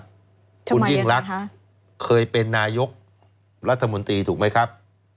ทำไมยังไงคะคุณยิ่งรักเคยเป็นนายกรัฐมนตรีถูกไหมครับ